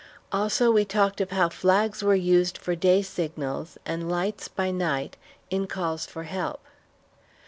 Also we talked of how flags were used for day signals and lights by night, in calls for help.